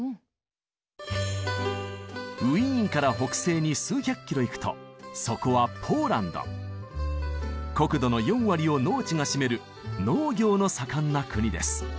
ウィーンから北西に数百キロ行くとそこは国土の４割を農地が占める農業の盛んな国です。